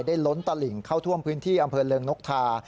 ล้นตลิ่งเข้าท่วมพื้นที่อำเภอเริงนกทา